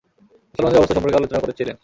মুসলমানদের অবস্থা সম্পর্কে আলোচনা করছিলেন।